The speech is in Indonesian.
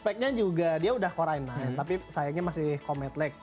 speknya juga dia udah core i sembilan tapi sayangnya masih comet lake